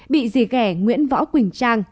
bị dì ghẻ nguyễn võ quỳnh trang